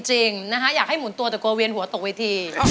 จริงนะคะอยากให้หมุนตัวแต่กลัวเวียนหัวตกเวที